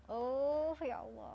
oh ya allah